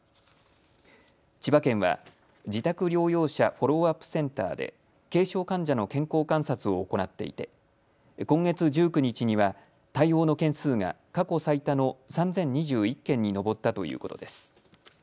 千葉県は自宅療養者フォローアップセンターで軽症患者の健康観察を行っていて今月１９日には対応の件数が過去最多の３０２１件に上ったということです。